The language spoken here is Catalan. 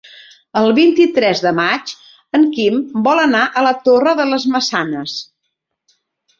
El vint-i-tres de maig en Quim vol anar a la Torre de les Maçanes.